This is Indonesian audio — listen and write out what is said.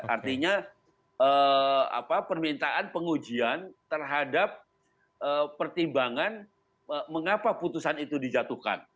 artinya permintaan pengujian terhadap pertimbangan mengapa putusan itu dijatuhkan